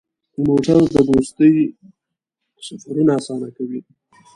موټر د دوستۍ سفرونه اسانه کوي.